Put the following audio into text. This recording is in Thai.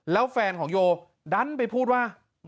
แล้วแฟนของโยดันไปพูดว่า